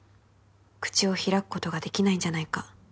「口を開くことができないんじゃないか」